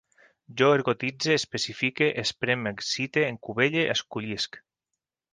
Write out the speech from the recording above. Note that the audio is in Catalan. Jo ergotitze, especifique, esprem, excite, encubelle, escollisc